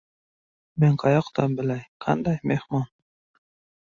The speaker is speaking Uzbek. –Men qayoqdan bilay, qanday mehmon…